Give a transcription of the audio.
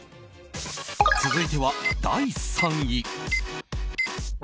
続いては第３位。